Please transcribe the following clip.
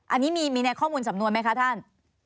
อันนี้มีในข้อมูลสำนวนไหมคะท่าน